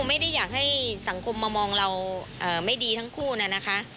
ไม่ได้อยากให้สังคมมามองเราไม่ดีทั้งคู่นะนะคะ